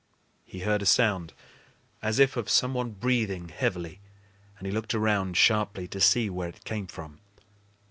He heard a sound as of some one breathing heavily, and he looked around sharply to see where it came from.